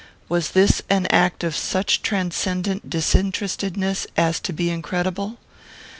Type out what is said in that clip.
Was this an act of such transcendent disinterestedness as to be incredible?